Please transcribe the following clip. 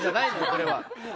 これは。